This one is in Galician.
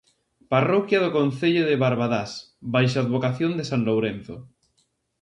Parroquia do concello de Barbadás baixo a advocación de san Lourenzo.